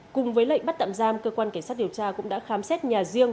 cùng với lệnh bắt tạm giam cơ quan cảnh sát điều tra cũng đã khám xét nhà riêng